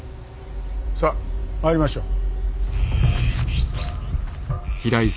さあ参りましょう。